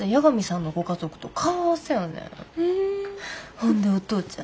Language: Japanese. ほんでお父ちゃん